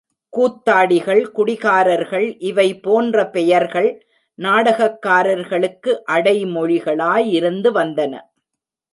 கூத்தாடிகள், குடிகாரர்கள் இவை போன்ற பெயர்கள் நாடகக்காரர்களுக்கு அடைமொழிகளாயிருந்து வந்தன.